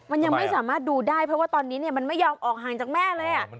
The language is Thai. มันยังไม่สามารถดูได้เพราะว่าตอนนี้มันไม่ยอมออกห่างจากแม่เลย